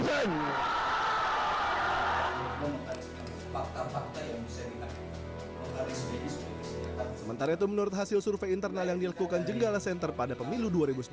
sementara itu menurut hasil survei internal yang dilakukan jenggala center pada pemilu dua ribu sembilan belas